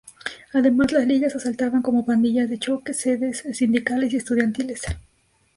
Además las ligas asaltaban, como pandillas de choque, sedes sindicales y estudiantiles.